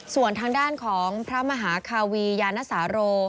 ส่วนทางด้านของพระมหาคาวียานสาโร